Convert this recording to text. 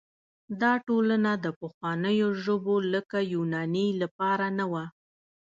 دا ټولنه د پخوانیو ژبو لکه یوناني لپاره نه وه.